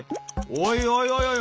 おいおいおいおい！